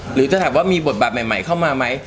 หรือจะถามว่ามีบทบาทใหม่เข้ามาไหม